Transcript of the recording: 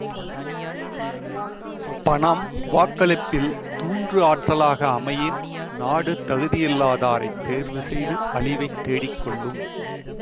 பணம், வாக்களிப்பில் தூண்டு ஆற்றலாக அமையின் நாடு தகுதியில்லாதாரைத் தேர்வு செய்து அழிவைத் தேடிக்கொள்ளும்!